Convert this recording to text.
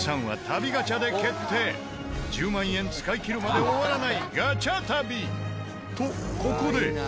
１０万円使い切るまで終わらないガチャ旅！とここで。